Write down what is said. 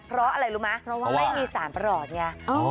เพราะอะไรรู้ไหมเพราะว่าไม่มีสารประหลอดไง